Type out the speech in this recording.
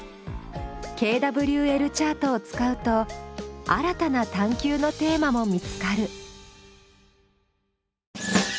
ＫＷＬチャートを使うと新たな探究のテーマも見つかる。